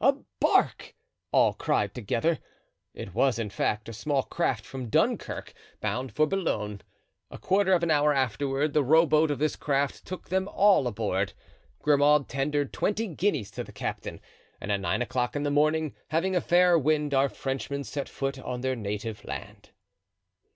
"A bark!" all cried together. It was, in fact, a small craft from Dunkirk bound for Boulogne. A quarter of an hour afterward the rowboat of this craft took them all aboard. Grimaud tendered twenty guineas to the captain, and at nine o'clock in the morning, having a fair wind, our Frenchmen set foot on their native land.